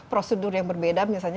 prosedur yang berbeda misalnya